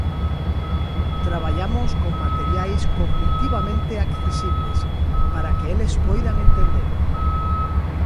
Traballamos con materiais cognitivamente accesibles, para que eles poidan entendelo.